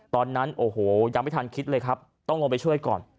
ตอนนั้นโอ้โหยังไม่ทันคิดเลยครับต้องลงไปช่วยก่อน